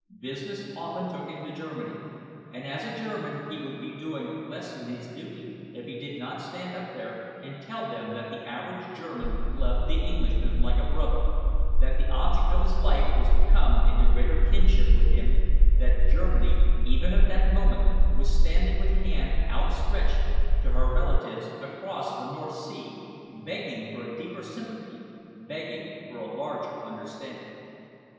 Business often took him to Germany, and as a German he would be doing less than his duty if he did not stand up there and tell them that the average German loved the Englishman like a brother, that the object of his life was to come into greater kinship with him, that Germany even at that moment, was standing with hand outstretched to her relatives across the North Sea, begging for a deeper sympathy, begging for a larger understanding.